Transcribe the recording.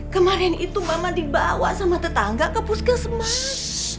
kemarin itu mama dibawa sama tetangga ke puskesmas